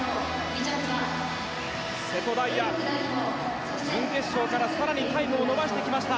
瀬戸大也、準決勝から更にタイムを伸ばしてきました。